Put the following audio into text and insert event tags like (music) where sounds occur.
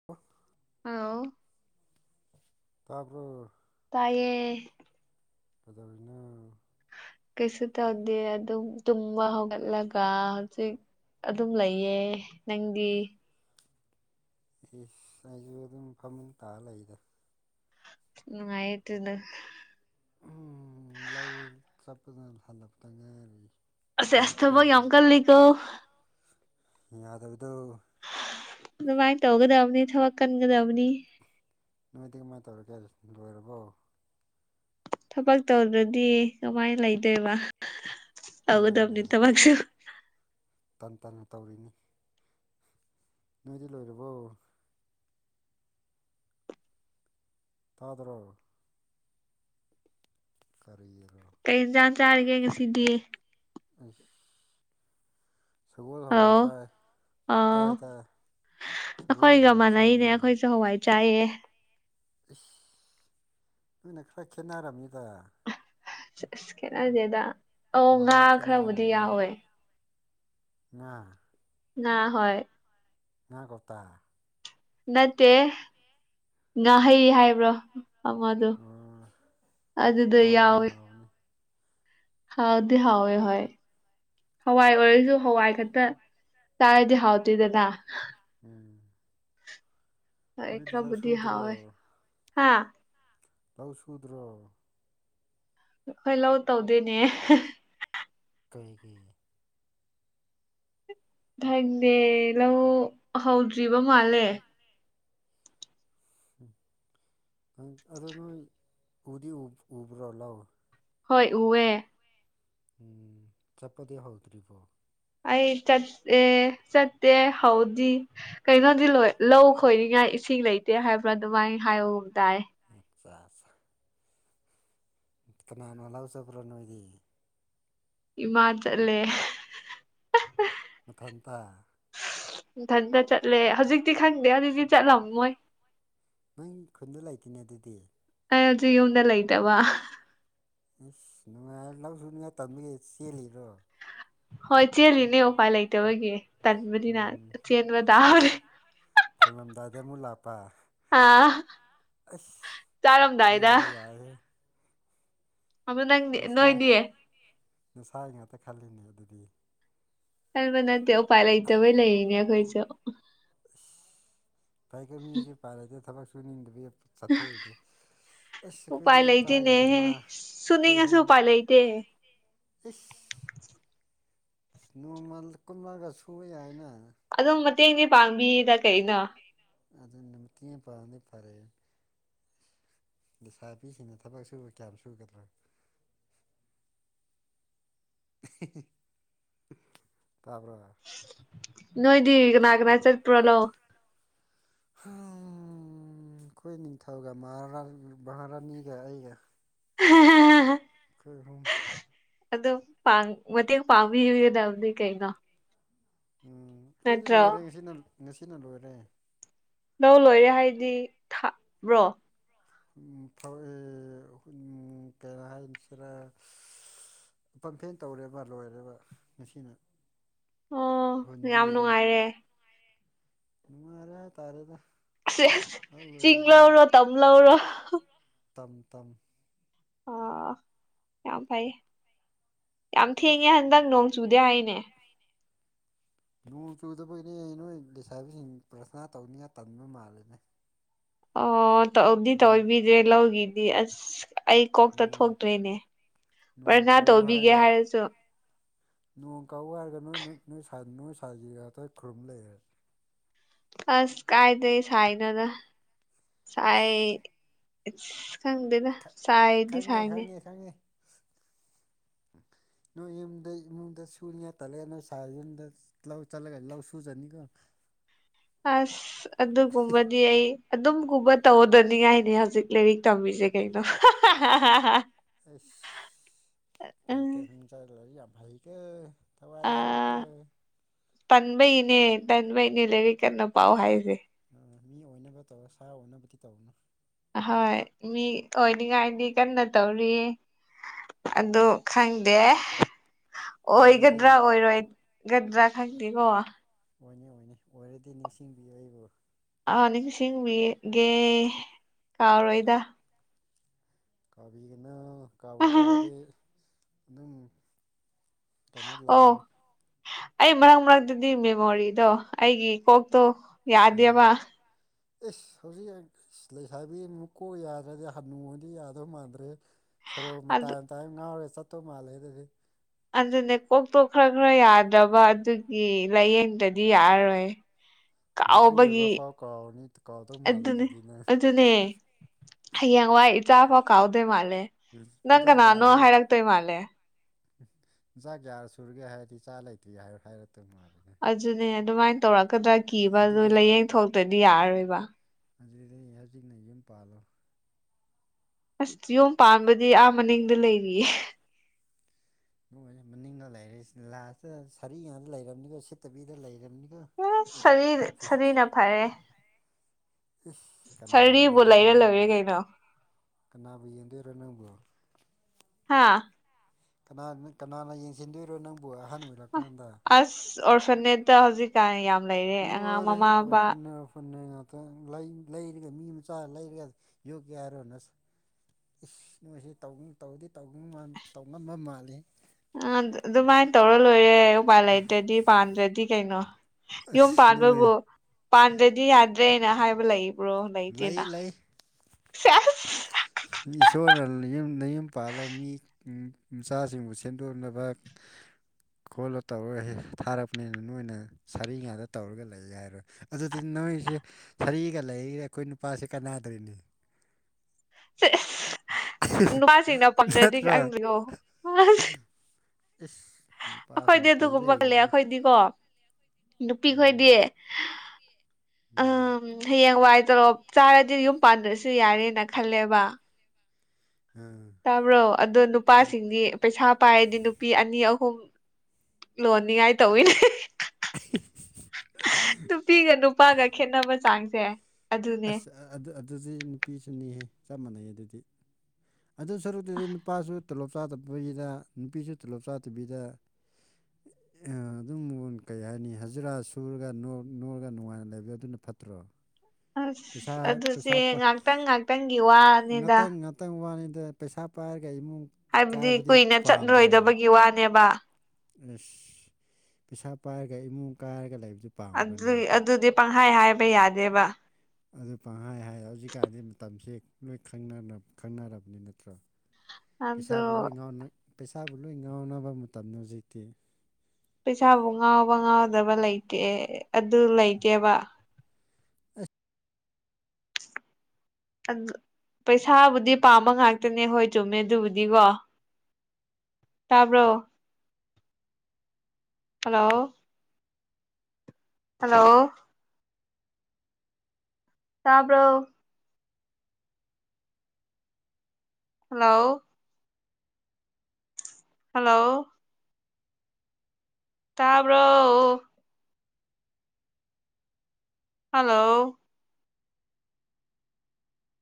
(unintelligible) hello ꯇꯥꯕ꯭ꯔꯣ ꯇꯥꯏꯌꯦ ꯀꯩꯗꯧꯔꯤꯅꯣ ꯀꯩꯁꯨ ꯇꯧꯗꯦ ꯑꯗꯨꯝ ꯇꯨꯝꯃ ꯍꯧꯒꯠꯂꯒ ꯍꯧꯖꯤꯛ ꯑꯗꯨꯝ ꯂꯩꯌꯦ ꯅꯪꯗꯤ ꯏꯁ ꯑꯩꯁꯨ ꯑꯗꯨꯝ ꯐꯃꯨꯡ ꯇꯥꯔ ꯂꯩꯗ ꯅꯨꯡꯉꯥꯏꯌꯦ ꯑꯗꯨꯅ ꯎꯝ ꯂꯧ ꯆꯞꯄꯗ ꯍꯜꯂꯛꯄꯗ ꯉꯥꯏꯔꯤ ꯑꯁ ꯑꯁ ꯊꯕꯛ ꯌꯥꯝ ꯏꯔꯨꯊꯣꯛꯑꯒ ꯀꯜꯂꯤꯀꯣ ꯌꯥꯗꯕꯗꯣ ꯑꯗꯨꯃꯥꯏꯅ ꯇꯧꯒꯗꯕꯅꯤ ꯊꯕꯛ ꯀꯟꯒꯗꯕꯅꯤ ꯅꯣꯏꯗꯤ ꯀꯃꯥꯏꯅ ꯇꯧꯔꯒꯦ ꯂꯣꯏꯔꯕꯣ ꯊꯕꯛ ꯇꯧꯗ꯭ꯔꯗꯤ ꯀꯃꯥꯏꯅ ꯂꯩꯗꯣꯏꯕ ꯑꯗꯨꯅꯤ ꯇꯧꯒꯗꯕꯅꯤ ꯊꯕꯛꯁꯨ ꯇꯟ ꯇꯟꯅ ꯇꯧꯔꯤꯅꯤ ꯅꯣꯏꯗꯤ ꯂꯣꯏꯔꯕꯣ ꯇꯥꯗꯔꯣ ꯀꯔꯤꯔꯣ ꯀꯩ ꯏꯟꯖꯥꯡ ꯆꯥꯔꯒꯦ ꯉꯁꯤꯗꯤ ꯑꯁ ꯁꯒꯣꯜ ꯍꯋꯥꯏ ꯑꯥꯎ ꯆꯥꯏ ꯑꯥꯎ ꯇꯥꯔꯦ ꯇꯥꯔꯦ ꯑꯩꯈꯣꯏꯒ ꯃꯥꯟꯅꯩꯅꯦ ꯑꯩꯈꯣꯏꯁꯨ ꯍꯋꯥꯏ ꯆꯥꯏꯌꯦ ꯏꯁ ꯅꯣꯏꯅ ꯈꯔ ꯈꯦꯠꯅꯔꯝꯅꯤꯗ ꯑꯁ ꯑꯁ ꯈꯦꯠꯅꯗꯦꯗ ꯑꯣ ꯉꯥ ꯃꯍꯥꯎ ꯈꯔꯕꯨꯗꯤ ꯈꯦꯠꯅꯔꯅꯤꯗ ꯌꯥꯎꯋꯦ ꯉꯥ ꯅ ꯍꯣꯏ ꯉꯥ ꯀꯧꯇꯥ ꯅꯠꯇꯦ ꯉꯥꯍꯩ ꯍꯥꯏꯕ꯭ꯔꯣ ꯑꯃꯗꯣ ꯑꯣ ꯑꯗꯨꯗꯣ ꯍꯥꯎꯕꯅꯤ ꯌꯥꯎꯏ ꯍꯥꯎꯕꯅꯤ ꯍꯥꯎꯗꯤ ꯍꯥꯎꯋꯦ ꯍꯣꯏ ꯍꯋꯥꯏ ꯑꯣꯏꯔꯁꯨ ꯍꯋꯥꯏ ꯈꯛꯇ ꯆꯥꯔꯗꯤ ꯆꯥꯔꯗꯤ ꯍꯥꯎꯇꯦꯗꯅ ꯍꯥꯎꯇꯦꯗꯅ ꯎꯝ ꯍꯣꯏ ꯅꯣꯏꯗꯤ ꯂꯧ ꯈꯔꯕꯨꯗꯤ ꯁꯨꯗ꯭ꯔꯣ ꯍꯥꯎꯋꯦ ꯍꯥꯥ ꯂꯧ ꯁꯨꯗ꯭ꯔꯣ ꯑꯈꯣꯏ ꯂꯧ ꯇꯧꯗꯦꯅꯦ ꯀꯩꯒꯤ ꯈꯪꯗꯦ ꯂꯧ ꯍꯧꯗ꯭ꯔꯤꯕ ꯃꯥꯜꯂꯦ ꯎꯝ ꯑꯗꯨ ꯅꯣꯏ ꯎꯗꯤ ꯎ ꯎꯕ꯭ꯔꯣ ꯂꯧ ꯍꯣꯏ ꯎꯋꯦ ꯎꯝ ꯆꯠꯄꯗꯤ ꯍꯧꯗ꯭ꯔꯤꯕꯣ ꯑꯩ ꯆꯠꯑꯦ ꯆꯠꯇꯦ ꯍꯧꯗꯤ ꯀꯩꯅꯣꯗꯤ ꯂꯣꯏ ꯂꯧ ꯈꯣꯏꯅꯤꯡꯉꯥꯏ ꯏꯁꯤꯡ ꯂꯩꯇꯦ ꯍꯥꯏꯕ꯭ꯔꯥ ꯑꯗꯨꯃꯥꯏ ꯍꯥꯏꯕꯒꯨꯝ ꯇꯥꯏ ꯑꯠꯆꯥ ꯑꯠꯆꯥ ꯀꯅꯥꯅ ꯂꯧ ꯆꯠꯄ꯭ꯔꯣ ꯅꯣꯏꯗꯤ ꯏꯃꯥ ꯆꯠꯂꯦ ꯃꯊꯟꯇ ꯏꯊꯟꯇ ꯆꯠꯂꯦ ꯍꯧꯖꯤꯛꯇꯤ ꯈꯪꯗꯦ ꯍꯧꯖꯤꯛꯇꯤ ꯆꯠꯂꯝꯃꯣꯏ ꯅꯪ ꯈꯨꯟꯗ ꯂꯩꯇꯦꯅꯦ ꯑꯗꯨꯗꯤ ꯑꯩ ꯍꯧꯖꯤꯛ ꯌꯨꯝꯗ ꯂꯩꯇꯕ ꯏꯁ ꯅꯨꯡꯉꯥꯏꯔꯦ ꯂꯧ ꯁꯨꯅꯤꯉꯥꯏ ꯇꯟꯕꯒꯤ ꯆꯦꯜꯂꯤꯔꯣ ꯍꯣꯏ ꯆꯦꯜꯂꯤꯅꯦ ꯎꯄꯥꯏ ꯂꯩꯇꯕꯒꯤ ꯇꯟꯕꯅꯤꯅ ꯎꯝ ꯆꯦꯟꯕ ꯇꯥꯕꯅꯦ ꯐꯪꯂꯝꯗꯥꯏꯗ ꯑꯃꯨꯛ ꯂꯥꯛꯄ ꯑꯥ ꯑꯥ ꯑꯁ ꯆꯥꯔꯝꯗꯥꯏꯗ ꯅꯪꯖꯨ ꯌꯥꯏꯍꯦ ꯑꯗꯨ ꯅꯪꯗꯤ ꯅꯁꯥꯏ ꯅꯣꯏꯗꯤ ꯅꯁꯥꯏ ꯉꯥꯛꯇ ꯈꯜꯂꯤꯅꯦ ꯑꯗꯨꯗꯤ ꯈꯟꯕ ꯅꯠꯇꯦ ꯎꯄꯥꯏ ꯂꯩꯇꯕꯩ ꯂꯩꯔꯤꯅꯦ ꯑꯩꯈꯣꯏꯁꯨ ꯑꯁ ꯑꯩꯒꯥ ꯃꯤꯒꯥ (unintelligible) ꯊꯕꯛ ꯁꯨꯅꯤꯡꯗꯕꯒꯤ ꯆꯠꯊꯣꯛꯏꯗꯨ ꯑꯁ ꯎꯄꯥꯏ ꯑꯩꯈꯣꯏꯗꯤ ꯏꯄꯥꯒ ꯂꯩꯇꯦꯅꯦꯍꯦ ꯏꯃꯥ ꯑꯩꯈꯣꯏ ꯁꯨꯅꯤꯡꯉꯁꯨ ꯑꯍꯨꯝ ꯎꯄꯥꯏ ꯂꯩꯇꯦ ꯑꯁ ꯅꯣꯡꯃ ꯀꯨꯝꯃꯥꯒ ꯁꯨꯕ ꯌꯥꯏꯅ ꯑꯗꯨꯝ ꯃꯇꯦꯡꯗꯤ ꯄꯥꯡꯕꯤꯗ ꯀꯩꯅꯣ ꯑꯗꯨ ꯅꯨꯡꯇꯤꯒꯤ ꯄꯥꯡꯗꯤ ꯐꯔꯦ ꯂꯩꯁꯥꯕꯤ ꯁꯤꯡꯅ ꯊꯕꯛ ꯁꯨꯕ ꯀꯌꯥꯝ ꯁꯨꯒꯗ꯭ꯔꯥ ꯇꯥꯕ꯭ꯔꯥ ꯅꯣꯏꯗꯤ ꯀꯅꯥ ꯀꯅꯥ ꯆꯠꯄ꯭ꯔꯣ ꯂꯧ ꯑꯩꯈꯣꯏ ꯅꯤꯡꯊꯧꯒ ꯃꯍꯥꯔꯥ ꯃꯍꯥꯔꯥꯅꯤꯒ ꯑꯩꯒ ꯑꯩꯈꯣꯏ ꯑꯍꯨꯝ ꯑꯗꯨꯝ ꯄꯥꯡ ꯃꯇꯦꯡ ꯄꯥꯡꯕꯤꯒꯗꯕꯅꯤ ꯀꯩꯅꯣ ꯎꯝ ꯈꯣꯏꯗꯤ ꯅꯠꯇ꯭ꯔꯣ ꯂꯣꯏꯔꯦ ꯉꯁꯤꯅ ꯉꯁꯤꯅ ꯂꯣꯏꯔꯦ ꯂꯧ ꯂꯣꯏꯔꯦ ꯍꯥꯏꯗꯤ ꯊꯥꯕ꯭ꯔꯣ ꯎꯝ ꯐꯥꯎꯋꯦ ꯀꯔꯤ ꯍꯥꯏꯁꯤꯔꯥ ꯄꯝꯐꯦꯟ ꯇꯧꯔꯦꯕ ꯂꯣꯏꯔꯦꯕ ꯉꯁꯤꯅ ꯑꯣ ꯌꯥꯝ ꯍꯨꯟꯕꯤꯈ꯭ꯔꯦ ꯅꯨꯡꯉꯥꯏꯔꯦ ꯌꯥꯝ ꯅꯨꯡꯉꯥꯏꯔꯦ ꯅꯨꯡꯉꯥꯏꯔꯦ ꯍꯥꯏꯇꯥꯔꯦꯗ ꯂꯧ ꯆꯤꯡ ꯂꯣꯏꯔꯕꯅꯤꯅ ꯂꯧꯔꯣ ꯇꯝ ꯂꯧꯔꯣ ꯇꯝ ꯇꯝ ꯑꯣ ꯌꯥꯝ ꯐꯩꯌꯦ ꯌꯥꯝ ꯊꯦꯡꯉꯦ ꯍꯟꯗꯛ ꯅꯣꯡ ꯆꯨꯗꯦ ꯍꯥꯏꯅꯦ ꯅꯣꯡ ꯆꯨꯗꯕꯩꯅꯦ ꯅꯣꯏ ꯂꯩꯁꯥꯕꯤꯁꯤꯡ ꯄ꯭ꯔꯊꯅꯥ ꯇꯧꯅꯤꯡꯉꯥꯏ ꯇꯟꯕ ꯃꯥꯜꯂꯦꯅꯦ ꯑꯣ ꯇꯧꯗꯤ ꯅꯣꯡ ꯇꯧꯕꯤꯗ꯭ꯔꯦ ꯂꯧꯒꯤꯗꯤ ꯑꯁ ꯑꯩ ꯀꯣꯛꯇ ꯅꯣꯡ ꯊꯣꯛꯇ꯭ꯔꯦꯅꯦ ꯅꯣꯡ ꯄ꯭ꯔꯅꯥ ꯀꯧ ꯇꯧꯕꯤꯒꯦ ꯍꯥꯏꯔꯒ ꯍꯥꯏꯔꯁꯨ ꯅꯣꯡ ꯀꯧ ꯍꯥꯏꯔꯒ ꯅꯣꯏ ꯅꯣꯏ ꯅꯣꯏ ꯁꯥꯏ ꯅꯣꯏ ꯁꯥꯏꯒꯤ ꯉꯥꯛꯇꯥ ꯈꯨꯔꯨꯝ ꯂꯩꯔꯦ ꯑꯁ ꯀꯥꯏꯗꯩ ꯁꯥꯏꯅꯣꯗ ꯁꯥꯏ ꯏꯁ ꯏꯁ ꯈꯪꯗꯦꯗ ꯈꯪ ꯁꯥꯏꯗꯤ ꯈꯪꯉꯦ ꯁꯥꯏꯅꯤ ꯈꯪꯉꯦ ꯈꯪꯉꯦ ꯅꯣꯏ ꯌꯨꯝꯗ ꯏꯃꯨꯡꯗ ꯁꯨꯅꯤꯉꯥꯏ ꯇꯜꯂꯦ ꯅꯣꯏ ꯁꯥꯏ ꯌꯨꯝꯗ ꯂꯧ ꯆꯠꯂꯒ ꯂꯧ ꯁꯨꯖꯅꯤꯀꯣ ꯑꯁ ꯑꯗꯨꯒꯨꯝꯕꯗꯤ ꯑꯩ ꯑꯗꯨꯝꯒꯨꯝꯕ ꯇꯧꯗꯅꯤꯡꯉꯥꯏꯅꯤ ꯍꯧꯖꯤꯛ ꯂꯥꯏꯔꯤꯛ ꯇꯝꯃꯤꯁꯦ ꯀꯩꯕ ꯑꯦꯁ ꯎꯝ ꯊꯩꯀꯦ ꯃꯤ ꯃꯆꯥꯗꯤ ꯂꯥꯏꯔꯤꯛ ꯌꯥꯝ ꯍꯩ ꯀꯣ ꯊꯋꯥꯏ ꯌꯥꯎꯏꯀꯣ ꯑꯥ ꯇꯟꯕꯩꯅꯦ ꯇꯟꯕꯩꯅꯦ ꯂꯥꯏꯔꯤꯛ ꯀꯟꯅ ꯄꯥꯎ ꯍꯥꯏꯁꯦ ꯑ ꯃꯤ ꯑꯣꯏꯅꯕ ꯇꯧ ꯁꯥ ꯑꯣꯏꯅꯕꯗꯤ ꯇꯧꯅꯨ ꯑꯍꯣꯏ ꯃꯤ ꯑꯣꯏꯅꯤꯉꯥꯏꯗꯤ ꯀꯟꯅ ꯇꯧꯔꯤꯔꯦ ꯑꯗꯣ ꯈꯪꯗꯦ ꯑꯣꯏꯔꯗꯤ ꯑꯣꯏꯒꯗ꯭ꯔꯥ ꯑꯣꯏꯔꯣꯏꯒꯗ꯭ꯔꯥ ꯈꯪꯗꯦꯀꯣ ꯑꯣꯏꯅꯤ ꯑꯣꯏꯅꯤ ꯑꯣꯏꯔꯗꯤ ꯅꯤꯡꯁꯤꯡꯕꯤꯌꯨ ꯑꯩꯕꯨ ꯑ ꯅꯤꯡꯁꯤꯡꯕꯤꯒꯦ ꯀꯥꯎꯔꯣꯏꯗ ꯀꯥꯎꯕꯤꯒꯅ ꯀꯥꯎꯕꯨ ꯀꯥꯎꯔꯗꯤ ꯑꯗꯨꯝ ꯀꯩꯅꯣ ꯑꯣ ꯂꯥꯛꯀꯅꯤ ꯑꯩ ꯃꯔꯛ ꯃꯔꯛꯇꯗꯤ ꯃꯦꯃꯣꯔꯤꯗꯣ ꯑꯩꯒꯤ ꯀꯣꯛꯇꯣ ꯎꯝ ꯌꯥꯗꯦꯕ ꯏꯁ ꯍꯧꯖꯤꯛ ꯂꯩꯁꯥꯕꯤ ꯃꯨꯀꯣꯛ ꯌꯥꯗ꯭ꯔꯗꯤ ꯍꯟꯅꯨꯔꯗꯤ ꯌꯥꯗꯧ ꯃꯥꯟꯗ꯭ꯔꯦ ꯁꯔꯣꯛ ꯑꯗꯨ ꯃꯇꯥꯏ ꯃꯇꯥꯏ ꯉꯥꯎꯔ ꯆꯠꯇꯧ ꯃꯥꯜꯂꯦ ꯑꯗꯨꯗꯤ ꯑꯗꯨꯅꯦ ꯀꯣꯛꯇꯣ ꯈꯔ ꯈꯔ ꯌꯥꯗ꯭ꯔꯕ ꯑꯗꯨꯒꯤ ꯂꯥꯏꯌꯦꯡꯗꯗꯤ ꯌꯥꯔꯔꯣꯏ ꯅꯄꯨꯔꯣꯏꯕ ꯀꯥꯎꯕꯒꯤ ꯐꯥꯎ ꯀꯥꯎꯔꯅꯤ ꯀꯥꯎꯗꯧ ꯃꯥꯜꯂꯦ ꯑꯗꯨꯅꯦ ꯑꯗꯨꯗꯤ ꯅꯪ ꯑꯗꯨꯅꯦ ꯍꯌꯦꯡꯋꯥꯏ ꯏꯆꯥꯐꯥꯎ ꯀꯥꯎꯗꯣꯏ ꯃꯥꯜꯂꯦ ꯎꯝ ꯅꯪ ꯀꯅꯥꯅꯣ ꯍꯥꯏꯔꯛꯇꯣꯏ ꯃꯥꯜꯂꯦ ꯅꯆꯥ ꯀꯌꯥ ꯁꯨꯔꯒꯦ ꯍꯥꯏꯔꯗꯤ ꯏꯆꯥ ꯂꯩꯇ꯭ꯔꯤ ꯍꯥꯏꯔ ꯍꯥꯏꯔꯛꯇꯧ ꯃꯥꯜꯂꯦ ꯅꯪ ꯑꯗꯨꯅꯦ ꯑꯗꯨꯃꯥꯏ ꯇꯧꯔꯛꯀꯗ꯭ꯔꯥ ꯀꯤꯕ ꯑꯗꯨ ꯑꯗꯨꯗꯤ ꯂꯥꯏꯌꯦꯡꯊꯣꯛꯇ꯭ꯔꯗꯤ ꯌꯥꯔꯔꯣꯏꯕ ꯑꯗꯨꯗꯤ ꯍꯧꯖꯤꯛꯅ ꯌꯨꯝ ꯄꯥꯟꯂꯣ ꯑꯁ ꯌꯨꯝ ꯄꯥꯟꯕꯗꯤ ꯑꯥ ꯃꯅꯤꯡꯗ ꯂꯩꯔꯤꯌꯦ ꯂꯣꯏꯔꯦ ꯃꯅꯤꯡꯗ ꯂꯩꯔꯤ ꯂꯥ꯭ꯁꯇ ꯁꯔꯤ ꯉꯥꯛ ꯂꯩꯔꯝꯅꯤꯀꯣ ꯁꯤꯠꯇꯕꯤꯗ ꯂꯩꯔꯝꯅꯤ ꯑꯁ ꯁꯔꯤ ꯁꯔꯤꯅ ꯐꯔꯦ ꯏꯁ ꯀꯅꯥꯅ ꯁꯥꯔꯤꯕꯨ ꯌꯦꯡꯗꯣꯏꯕ ꯂꯩꯔ ꯅꯪꯕꯨ ꯂꯣꯏꯔꯦ ꯀꯩꯅꯣ ꯀꯅꯥꯕꯨ ꯌꯦꯡꯗꯣꯏꯔꯣ ꯅꯪꯕꯨ ꯍꯥꯥ ꯀꯅꯥ ꯀꯅꯥꯅ ꯌꯦꯡꯁꯤꯟꯗꯣꯏꯔꯣ ꯅꯪꯕꯨ ꯑꯍꯟ ꯑꯣꯏꯔꯛꯀꯥꯟꯗ ꯑꯁ ꯑꯣꯔꯐꯟꯅꯦꯠꯇ ꯍꯧꯖꯤꯛ (unintelligible) ꯂꯩ ꯂꯣꯏꯔꯦꯍꯦ ꯑꯣꯐꯔꯅꯦ ꯑꯣꯐꯔꯅꯦ ꯉꯥꯛ ꯑ ꯂꯩ ꯂꯩꯔꯒ ꯃꯤ ꯃꯆꯥ ꯂꯩꯔꯒ ꯌꯣꯛꯀꯦ ꯍꯥꯏꯔꯣ ꯅꯁꯛ ꯏꯁ ꯅꯣꯏꯁꯤ ꯇꯧ ꯇꯧꯗꯤ ꯇꯧꯃꯥꯟ ꯇꯧꯉꯝꯕ ꯃꯥꯜꯂꯤ ꯑ ꯑꯗꯨꯃꯥꯏꯅ ꯇꯧꯔ ꯂꯣꯏꯔꯦ ꯎꯄꯥꯏ ꯂꯩꯇ꯭ꯔꯗꯤ ꯄꯥꯝꯗ꯭ꯔꯗꯤ ꯀꯩꯅꯣ ꯌꯨꯝ ꯑꯁ ꯅꯣꯏ ꯄꯥꯟꯕꯕꯨ ꯄꯥꯟꯗ꯭ꯔꯗꯤ ꯌꯥꯗ꯭ꯔꯦꯅ ꯍꯥꯏꯕ ꯂꯩꯕ꯭ꯔꯣ ꯂꯩ ꯂꯩꯇꯦꯅ ꯂꯩ ꯁꯦꯁ ꯏꯁꯣꯔꯅ ꯌꯨꯝ ꯅꯌꯨꯝ ꯄꯥꯜꯂꯣ ꯃꯤ ꯃꯆꯥꯁꯤꯡꯕꯨ ꯁꯦꯟꯗꯣꯛꯅꯕ (inaudible) ꯈꯣꯠꯂꯣ ꯇꯧꯔ ꯊꯥꯔꯛꯄꯅꯤꯅ ꯅꯣꯏꯅ ꯁꯥꯔꯤ ꯉꯥꯗ ꯇꯧꯔꯒ ꯂꯩ ꯍꯥꯏꯔꯣꯏ ꯑꯗꯨꯗꯤ ꯅꯣꯏꯁꯦ ꯁꯔꯤꯒ ꯂꯩꯒ ꯑꯩꯈꯣꯏ ꯅꯨꯄꯥꯁꯤ ꯀꯅꯥꯗꯔꯤꯅꯤ (unintelligible) ꯅꯨꯄꯥꯁꯤꯡꯅ ꯄꯪꯗ꯭ꯔꯗꯤ ꯅꯠꯇ꯭ꯔꯣ ꯈꯪꯗ꯭ꯔꯤꯀꯣ ꯑꯁ ꯏꯁ ꯑꯩꯈꯣꯏꯗꯤ ꯅꯨꯄꯥꯁꯤꯡꯗꯤ ꯄꯩ ꯑꯗꯨꯒꯨꯝꯕꯒ ꯂꯩꯌꯦ ꯂꯩꯔꯕꯅꯤ ꯑꯩꯈꯣꯏꯗꯤꯀꯣ ꯅꯨꯄꯤ ꯎꯝ ꯈꯣꯏꯗꯤ ꯎꯝ ꯍꯌꯦꯡ ꯋꯥꯏ ꯇꯣꯂꯣꯞ ꯆꯥꯔꯗꯤ ꯌꯨꯝ ꯄꯥꯟꯗ꯭ꯔꯁꯨ ꯌꯥꯔꯦꯅ ꯈꯜꯂꯦꯕ ꯑꯥ ꯇꯥꯕ꯭ꯔꯣ ꯑꯗꯣ ꯇꯥ ꯅꯨꯄꯥꯁꯤꯡꯗꯤ ꯄꯩꯁꯥ ꯄꯥꯏꯔꯗꯤ ꯅꯨꯄꯤ ꯑꯅꯤ ꯑꯍꯨꯝ ꯂꯣꯟꯅꯤꯉꯥꯏ ꯇꯧꯋꯤꯅꯦ (unintelligible) ꯅꯨꯄꯤꯒ ꯅꯨꯄꯥꯒ ꯈꯦꯠꯅꯕ ꯆꯥꯡꯁꯦ ꯑꯗꯨꯅꯦ ꯑ ꯑꯗꯨꯖꯨ ꯅꯨꯄꯤꯁꯨꯅꯤꯍꯦ ꯆꯞ ꯃꯥꯟꯅꯩ ꯑꯗꯨꯗꯤ ꯑꯗꯨ ꯁꯔꯨꯛꯇꯨꯗꯤ ꯅꯨꯄꯥꯁꯨ ꯇꯣꯂꯣꯞ ꯆꯥꯗꯕꯤꯗ ꯅꯨꯄꯤꯁꯨ ꯇꯣꯂꯣꯞ ꯆꯥꯗꯕꯤꯗ ꯑꯗꯨꯝ ꯀꯩ ꯍꯥꯏꯅꯤ ꯍꯖꯤꯔꯥ ꯁꯨꯔꯒ ꯅꯣꯛ ꯅꯣꯛꯑꯒ ꯅꯨꯡꯉꯥꯏꯅ ꯂꯩꯕ ꯑꯗꯨꯅ ꯐꯠꯇ꯭ꯔꯣ ꯄꯩꯁꯥ ꯑꯁ ꯄꯩꯁꯥ ꯑꯗꯨꯗꯤ ꯄꯥꯏ ꯉꯥꯛꯇꯪ ꯉꯥꯛꯇꯪꯒꯤ ꯋꯥꯅꯤꯗ ꯉꯥꯇꯪ ꯋꯥꯅꯤꯗ ꯄꯩꯁꯥ ꯄꯥꯏꯔꯒ ꯏꯃꯨꯡ ꯍꯥꯏꯕꯗꯤ ꯀꯥꯏꯕꯗꯤ ꯀꯨꯏꯅ ꯄꯥꯝꯕ꯭ꯔꯣ ꯆꯠꯂꯣꯏꯗꯕꯒꯤ ꯋꯥꯅꯦꯕ ꯑꯁ ꯄꯩꯁꯥ ꯄꯥꯏꯔꯒ ꯏꯃꯨꯡ ꯀꯥꯏꯔꯒ ꯂꯩꯕꯗꯨ ꯄꯥꯝꯕ꯭ꯔꯣ ꯑꯗꯨ ꯅꯪꯕꯨ ꯑꯗꯨꯗꯤ ꯄꯪꯍꯥꯏ ꯍꯥꯏꯕ ꯌꯥꯗꯦꯕ ꯑꯗꯨ ꯄꯪꯍꯥꯏ ꯍꯥꯏ ꯍꯧꯖꯤꯛꯀꯥꯟꯗꯤ ꯃꯇꯝꯁꯦ ꯂꯣꯏ ꯈꯪꯅꯔ ꯈꯪꯅꯔꯕꯅꯤ ꯅꯠꯇ꯭ꯔꯣ ꯑꯗꯣ ꯄꯩꯁꯥꯕꯨ ꯂꯣꯏ ꯉꯥꯎꯅ ꯄꯩꯁꯥꯕꯨ ꯂꯣꯏ ꯉꯥꯎꯅꯕ ꯃꯇꯝꯅꯦ ꯍꯧꯖꯤꯛꯇꯤ ꯄꯩꯁꯥꯕꯨ ꯉꯥꯎꯕ ꯉꯥꯎꯗꯕ ꯂꯩꯇꯦ ꯑꯗꯨ ꯂꯩꯇꯦꯕ (unintelligible) ꯄꯩꯁꯥꯕꯨꯗꯤ ꯄꯥꯝꯕ ꯉꯥꯛꯇꯅꯦ ꯍꯣꯏ ꯆꯨꯝꯃꯦ ꯑꯗꯨꯕꯨꯗꯤꯀꯣ ꯇꯥꯕ꯭ꯔꯣ ꯍꯜꯂꯣ ꯍꯜꯂꯣ ꯇꯥꯕ꯭ꯔꯣ ꯍꯜꯂꯣ ꯍꯜꯂꯣ ꯇꯥꯕ꯭ꯔꯣ ꯍꯜꯂꯣ